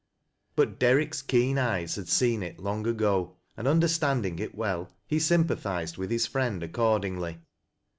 But Derrick's keen eyes had seen it long ago, and, understanding it well, he sympa thized with his friend accordingly.